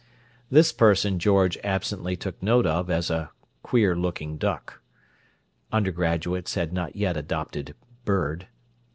This person George absently took note of as a "queer looking duck." Undergraduates had not yet adopted "bird."